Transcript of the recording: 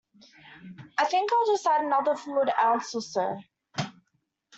I think I'll add just another fluid ounce or so.